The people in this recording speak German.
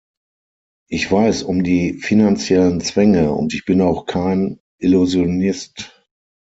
Ich weiß um die finanziellen Zwänge, und ich bin auch kein Illusionist.